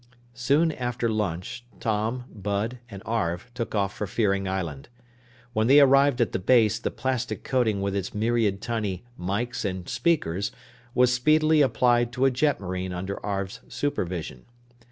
Soon after lunch, Tom, Bud, and Arv took off for Fearing Island. When they arrived at the base, the plastic coating with its myriad tiny "mikes" and "speakers" was speedily applied to a jetmarine under Arv's supervision.